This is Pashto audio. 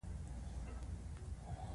خو ځوانې نجلۍ د اوږدو نوکانو رنګول ودرول.